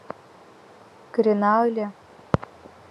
— Кырена ыле!